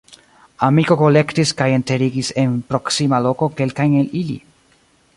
Amiko kolektis kaj enterigis en proksima loko kelkajn el ili.